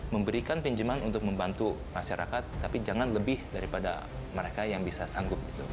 memberikan pinjeman untuk membantu masyarakat tapi jangan lebih daripada mereka yang bisa sanggup